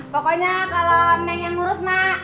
pokoknya kalau nanya yang ngurus nak